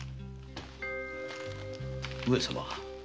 上様